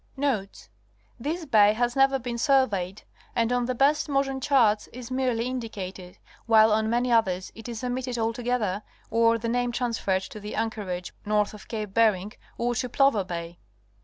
Notes.—This bay has never been surveyed, and on the best modern charts is merely indicated, while on many others it is omitted altogether or the name transferred to the anchorage north of Cape Bering or to Plover Bay.